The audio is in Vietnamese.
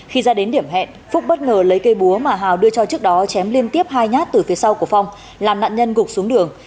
khi ra đến điểm hẹn phúc bất ngờ lấy cây búa mà hào đưa cho trước đó chém liên tiếp hai nhát từ phía sau của phong làm nạn nhân gục xuống đường